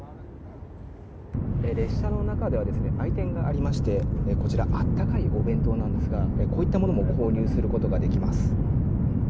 列車の中では売店がありまして温かいお弁当なんですがこういったものも購入することができます。